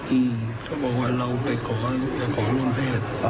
อืมเขาบอกว่าเราไปขอจะขอร่วมเพศ